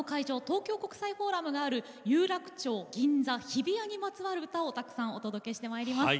東京国際フォーラムがある有楽町銀座日比谷にまつわる歌をたくさんお届けしてまいります。